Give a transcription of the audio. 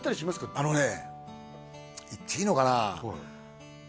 あのね言っていいのかな？